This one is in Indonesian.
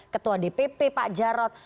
ketua dpp pak jarod